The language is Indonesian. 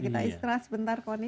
kita istirahat sebentar kony